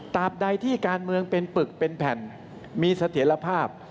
ตามใดที่การเมืองเป็นปึกเป็นแผ่นมีเสถียรภาพ